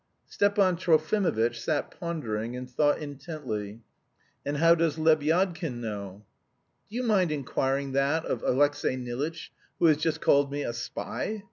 Stepan Trofimovitch sat pondering, and thought intently. "And how does Lebyadkin know?" "Do you mind inquiring about that of Alexey Nilitch, who has just called me a spy?